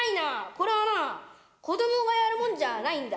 これはなあ、子どもがやるもんじゃないんだ。